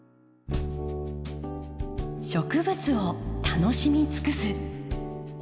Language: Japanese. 植物を楽しみ尽くす。